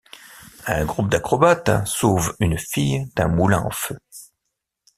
Un groupe d'acrobates sauve une fille d'un moulin en feu.